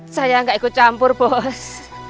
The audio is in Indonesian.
saya nggak ikut campur bos